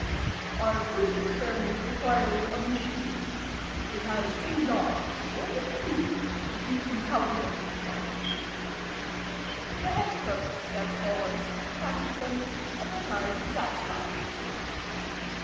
" Our First Experiment requires a Machine. It has two knobs only two you can count thern, if you like." The Head Cook stepped forwards, counted them, and retired satisfied.